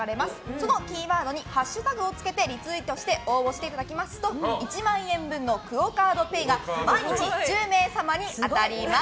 そのキーワードにハッシュタグをつけてリツイートして応募していただけますと１万円分のＱＵＯカードＰａｙが毎日１０名様に当たります。